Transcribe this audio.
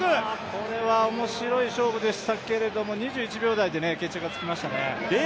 これは面白い勝負でしたけど２１秒台で決着がつきましたね。